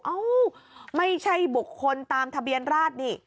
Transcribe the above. เอ้าไม่ใช่บุคคลตามทะเบียนราชนี่